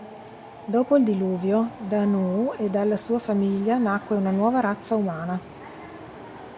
Dopo il diluvio, da Nu'u e dalla sua famiglia nacque una nuova razza umana.